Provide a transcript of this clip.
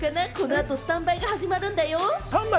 この後、スタンバイが始まるんだよ。